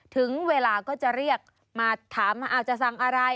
ถึงเวลาก็จะเรียกมาถามว่าจะสั่งอะไร